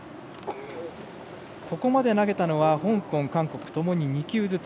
ここまで投げたのは香港、韓国ともに２球ずつ。